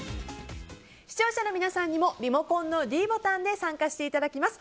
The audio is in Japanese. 視聴者の皆さんにもリモコンのｄボタンで参加していただきます。